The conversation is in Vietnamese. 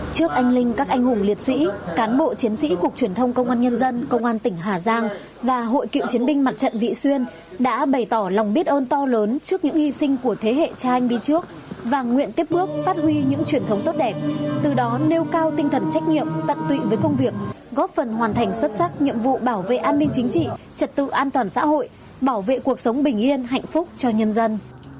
trước anh linh các anh hùng liệt sĩ cán bộ chiến sĩ cục truyền thông công an nhân dân công an tỉnh hà giang và hội cựu chiến binh mặt trận vị xuyên đã bày tỏ lòng biết ơn to lớn trước những hy sinh của thế hệ cha anh đi trước và nguyện tiếp bước phát huy những truyền thống tốt đẹp từ đó nêu cao tinh thần trách nhiệm tận tụy với công việc góp phần hoàn thành xuất sắc nhiệm vụ bảo vệ an ninh chính trị trật tự an toàn xã hội bảo vệ cuộc sống bình yên hạnh phúc cho nhân dân